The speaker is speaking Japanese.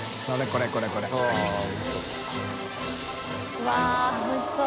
うわっおいしそう。